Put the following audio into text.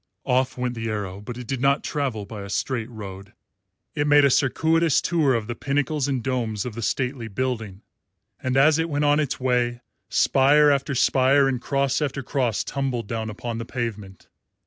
Off went the arrow, but it did not travel by a straight road. It made a circuitous tour of the pinnacles and domes of the stately building, and as it went on its way spire after spire and cross after cross tumbled down upon the pavement.